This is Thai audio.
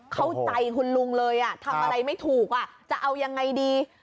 เข้าใจคุณลุงเลยทำอะไรไม่ถูกจะเอายังไงดี